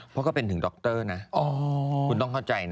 เพราะก็เป็นถึงดรนะคุณต้องเข้าใจนะ